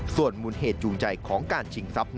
ส่วนมูลเหตุจูงใจของการชิงทรัพย์